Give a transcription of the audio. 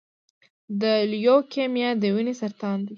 د لیوکیمیا د وینې سرطان دی.